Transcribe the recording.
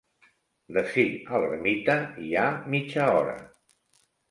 D'ací a l'ermita hi ha mitja hora.